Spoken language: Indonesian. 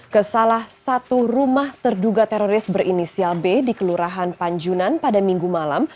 ke salah satu rumah terduga teroris berinisial b di kelurahan panjunan pada minggu malam